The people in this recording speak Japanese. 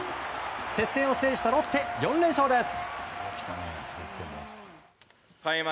接戦を制したロッテ４連勝です。